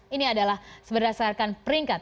ini adalah berdasarkan peringkat